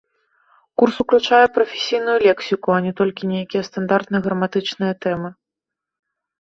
Курс уключае прафесійную лексіку, а не толькі нейкія стандартныя граматычныя тэмы.